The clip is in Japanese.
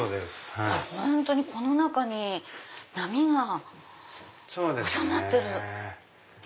これ本当にこの中に波が収まってる。